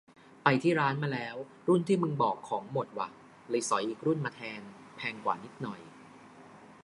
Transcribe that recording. ไปที่ร้านมาแล้ว รุ่นที่มึงบอกของหมดว่ะ เลยสอยอีกรุ่นมาแทน แพงกว่านิดหน่อย